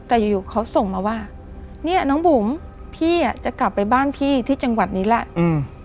แต่อยู่อยู่เขาส่งมาว่าเนี่ยน้องบุ๋มพี่อ่ะจะกลับไปบ้านพี่ที่จังหวัดนี้แหละอืม